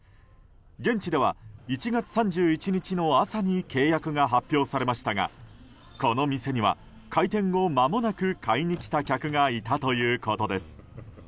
現地では１月３１日の朝に契約が発表されましたがこの店には、開店後まもなく買いに来た客がいたということです。